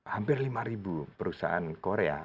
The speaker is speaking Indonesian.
hampir lima perusahaan korea